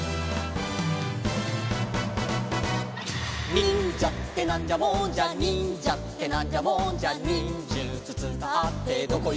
「にんじゃってなんじゃもんじゃ」「にんじゃってなんじゃもんじゃ」「にんじゅつつかってどこいくにんじゃ」